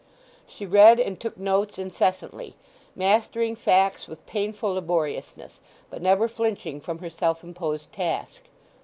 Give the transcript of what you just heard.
She read and took notes incessantly, mastering facts with painful laboriousness, but never flinching from her self imposed task.